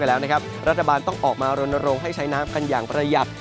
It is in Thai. แล้วนะครับรัฐบาลต้องออกมารณรงค์ให้ใช้น้ำกันอย่างประหยัด